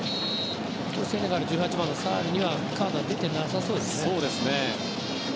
セネガル、１８番のサールにはカードは出てなさそうですね。